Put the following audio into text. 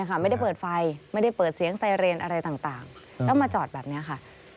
ไม่ได้เปิดไฟไม่ได้เปิดเสียงไซเรนอะไรต่างแล้วมาจอดแบบนี้ค่ะ